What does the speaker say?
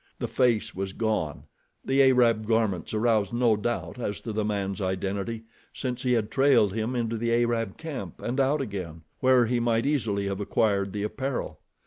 The face was gone. The Arab garments aroused no doubt as to the man's identity, since he had trailed him into the Arab camp and out again, where he might easily have acquired the apparel.